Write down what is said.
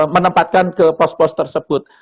menempatkan ke pos pos tersebut